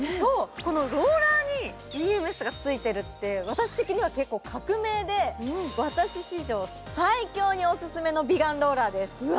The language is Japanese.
このローラーにＥＭＳがついてるって、私的には結構革命で、私史上最強にオススメの美顔ローラーです。